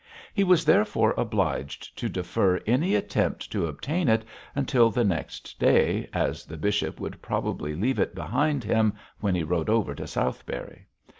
He was therefore obliged to defer any attempt to obtain it until the next day, as the bishop would probably leave it behind him when he rode over to Southberry.